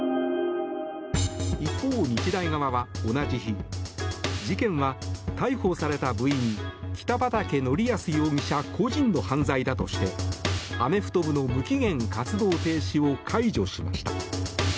一方、日大側は同じ日事件は逮捕された部員北畠成文容疑者個人の犯罪だとしてアメフト部の無期限活動停止を解除しました。